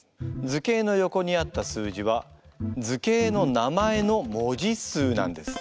図形の横にあった数字は図形の名前の文字数なんです。